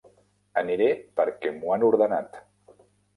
Aniré perquè m'ho han ordenat!